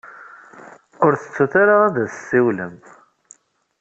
Ur tettut ara ad as-tessiwlem.